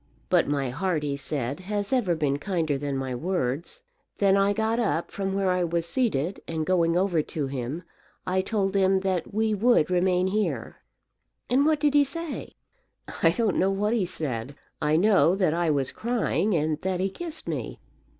'But my heart,' he said, 'has ever been kinder than my words.' Then I got up from where I was seated, and going over to him, I told him that we would remain here." "And what did he say?" "I don't know what he said. I know that I was crying, and that he kissed me.